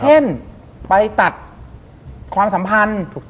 เช่นไปตัดความสัมพันธ์